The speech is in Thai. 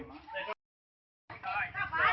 ต้องอย่าบ่ออะไรจ้างนี่